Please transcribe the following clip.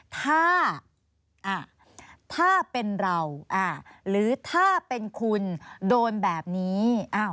ถ้าถ้าเป็นเราหรือถ้าเป็นคุณโดนแบบนี้